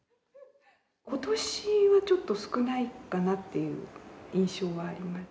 ことしはちょっと少ないかなっていう印象はあります。